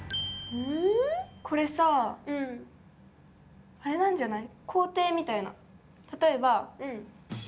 うん。あれなんじゃない？